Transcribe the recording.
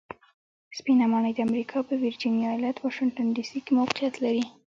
سپینه ماڼۍ د امریکا په ویرجینیا ایالت واشنګټن ډي سي کې موقیعت لري.